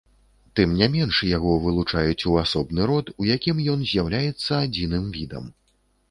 Тым не менш, яго вылучаюць у асобны род, у якім ён з'яўляецца адзіным відам.